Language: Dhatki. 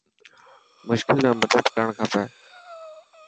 مشڪل ۾ مدد ڪرڻ کپي.